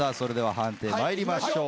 判定参りましょう。